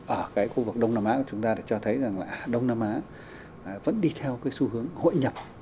ở cái khu vực đông nam á của chúng ta thì cho thấy rằng là đông nam á vẫn đi theo cái xu hướng hội nhập